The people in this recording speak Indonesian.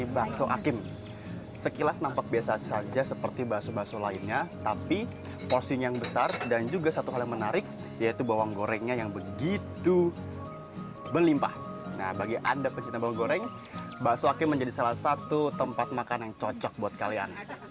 warung bakso ini menjadi salah satu tempat makan yang cocok buat kalian